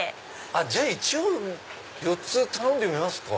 じゃあ一応４つ頼んでみますか。